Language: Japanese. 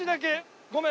ごめん。